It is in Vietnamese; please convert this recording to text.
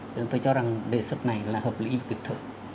chúng ta cho rằng đề xuất này là hợp lý và kịp thời